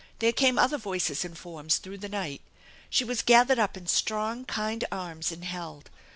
There came other voices and forms through the night. She was gathered up in strong, kind arms and held.